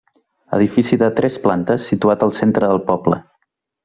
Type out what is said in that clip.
Edifici de tres plantes situat al centre del poble.